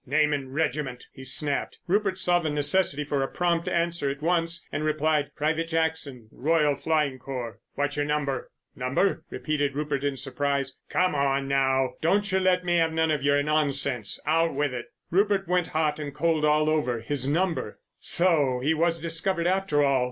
"Name and regiment?" he snapped. Rupert saw the necessity for a prompt answer at once and replied "Private Jackson, Royal Flying Corps." "What's your number?" "Number?" repeated Rupert in surprise. "Come on, now—don't you let me 'ave none of your ... nonsense. Out with it!" Rupert went hot and cold all over. His number! So he was discovered, after all.